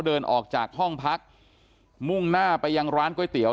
เดินออกจากห้องพักมุ่งหน้าไปยังร้านก๋วยเตี๋ย